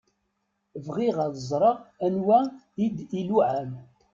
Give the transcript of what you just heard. Bɣiɣ ad ẓṛeɣ anwa i d-iluɛan.